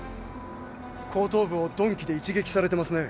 後頭部を鈍器で一撃されてますね。